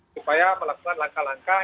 supaya melaksanakan langkah langkah